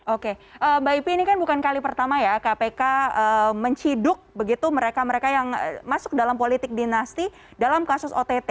oke mbak ipi ini kan bukan kali pertama ya kpk menciduk begitu mereka mereka yang masuk dalam politik dinasti dalam kasus ott